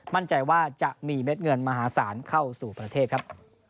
มั่นใจว่าจะมีเม็ดเงินมหาศาลเข้าสู่ประเทศครับ